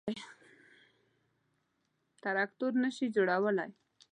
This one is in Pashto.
_تراکتور نه شي جوړولای.